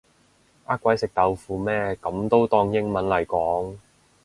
呃鬼食豆腐咩噉都當英文嚟講